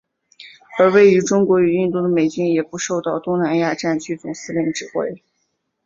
而位于中国与印度的美军也不受到东南亚战区总司令指挥。